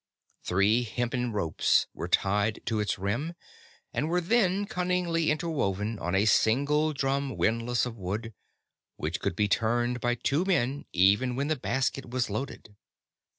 Three hempen ropes were tied to its rim, and were then cunningly interwound on a single drum windlass of wood, which could be turned by two men even when the basket was loaded.